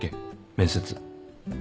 面接。